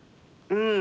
うん。